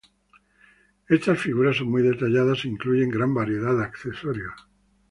Estas figuras son muy detalladas e incluyen gran variedad de accesorios.